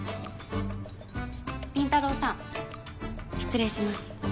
倫太郎さん失礼します。